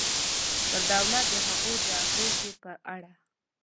پر دولت د هغوی د اغېزې په اړه.